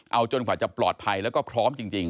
เอาจนกว่าจะปลอดภัยแล้วก็พร้อมจริง